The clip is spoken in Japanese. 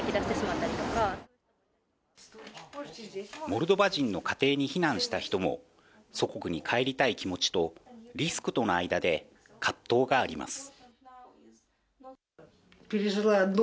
モルドバ人の家庭に避難した人も祖国に帰りたい気持ちとリスクとの間で葛藤があります。